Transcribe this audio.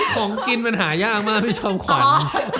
ของกินมันหายากมากพี่จอมขวัญ